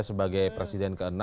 sebagai presiden ke enam